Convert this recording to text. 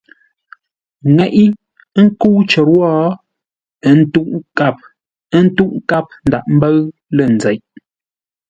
Ŋeʼe, a kə̂u cər wó ə́ tə́uʼ nkâp, ə́ ntə́uʼ nkâp ńdághʼ ḿbə́ʉ lə̂ nzeʼ.